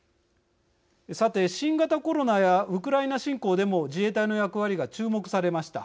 さて新型コロナやウクライナ侵攻でも自衛隊の役割が注目されました。